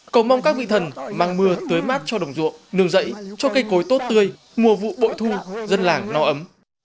cầu mong các vị thần mang mưa tới mát cho đồng ruộng nướng dậy cho cây cối tốt tươi mùa vụ bội thu dân làng no ấm